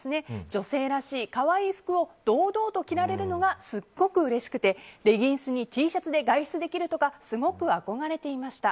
女性らしい可愛い服を堂々と着られるのがすっごくうれしくてレギンスにＴシャツで外出できるとかすごく憧れていました。